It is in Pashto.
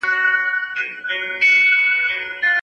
که نظم نه وي پرمختګ نسته.